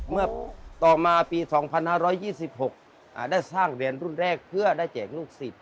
เมื่อต่อมาปี๒๕๒๖ได้สร้างเหรียญรุ่นแรกเพื่อได้แจกลูกศิษย